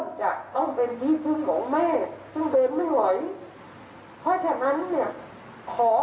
เพราะฉะนั้นฉันต้องการวางเป็นธรรมเพราะฉะนั้นขอฝากอิงวล